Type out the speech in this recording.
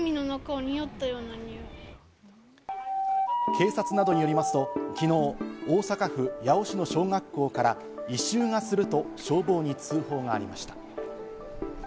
警察などによりますと昨日、大阪府八尾市の小学校から異臭がすると消防に通報がありました。